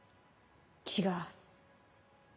違う。